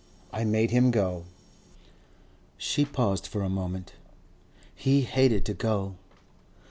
I made him go." She paused for a moment. "He hated to go."